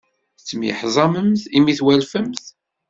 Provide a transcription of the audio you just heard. Tettemyeḥmaẓemt imi twalfemt.